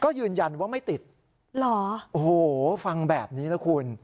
ก็ยืนยันว่าไม่ติดหรอโอ้โหฟังแบบนี้นะคุณ